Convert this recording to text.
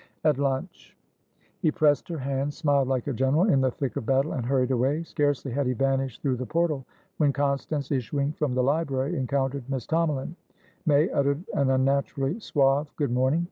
"At lunch!" He pressed her hand, smiled like a general in the thick of battle, and hurried away. Scarcely had he vanished through the portal, when Constance, issuing from the library, encountered Miss Tomalin. May uttered an unnaturally suave "good morning!"